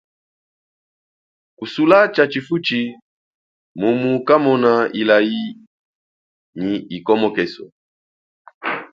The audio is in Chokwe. Kusula tshatshi futshi munu kamona ilayi nyi ikomokeso.